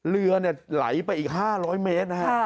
เรือไหลไปอีก๕๐๐เมตรนะฮะ